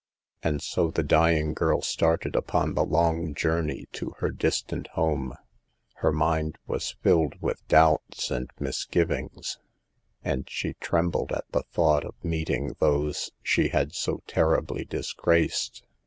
And so the dying girl started uppn the long journey to her distant home. Her mind was filled with doubts and misgivings, and she trembled at the thought of meeting those she hkd so terribly disgraced.